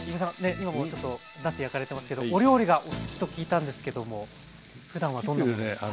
今もちょっとなす焼かれてますけどお料理がお好きと聞いたんですけどもふだんはどんな？